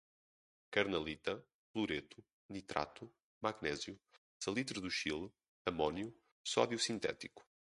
carnalita, cloreto, nitrato, magnésio, salitre do Chile, amônio, sódio sintético